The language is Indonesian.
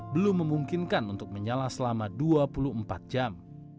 belum memungkinkan untuk menyala selama dua puluh empat jam